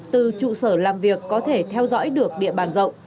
từ trụ sở làm việc có thể theo dõi được địa bàn rộng